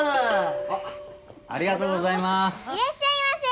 いらっしゃいませ！